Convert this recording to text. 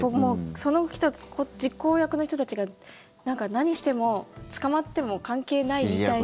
その実行役の人たちが何しても捕まっても関係ないみたいな。